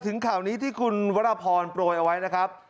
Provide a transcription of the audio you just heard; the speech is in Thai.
ข่าวนี้ที่คุณวรพรโปรยเอาไว้นะครับ